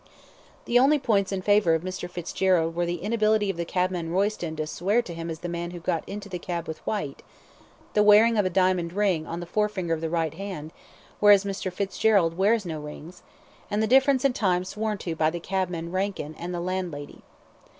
The only points in favour of Mr. Fitzgerald were the inability of the cabman Royston to swear to him as the man who had got into the cab with Whyte, the wearing of a diamond ring on the forefinger of the right hand (whereas Mr. Fitzgerald wears no rings), and the difference in time sworn to by the cabman Rankin and the landlady.